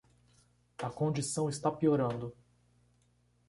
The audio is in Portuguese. A condição está piorando